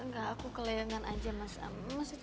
enggak aku kelelangan aja mas amas aja